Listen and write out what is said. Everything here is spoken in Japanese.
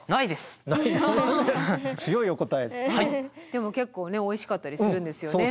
でも結構ねおいしかったりするんですよね。